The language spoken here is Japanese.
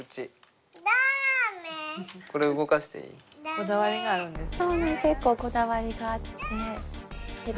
こだわりがあるんですね。